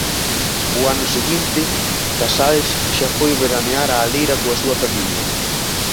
O ano seguinte Casals xa foi veranear á leira coa súa familia.